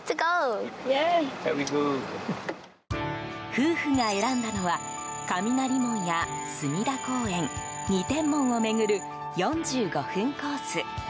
夫婦が選んだのは雷門や隅田公園、二天門を巡る４５分コース。